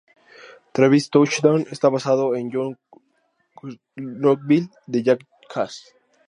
Travis Touchdown está basado en Johnny Knoxville de "Jackass".